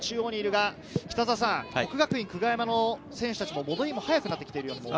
國學院久我山の選手たちも戻りも早くなってきていますかね。